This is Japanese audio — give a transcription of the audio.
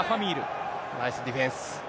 ナイスディフェンス。